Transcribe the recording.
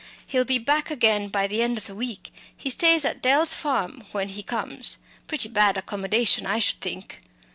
He'll be back again by the end of the week. He stays at Dell's farm when he comes pretty bad accommodation, I should think.